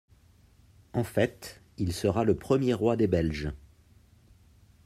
En fait, il sera le premier roi des Belges.